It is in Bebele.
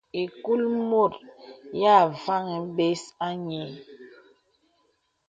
Ìkul mùt yā fàŋ bēs à nyə̀.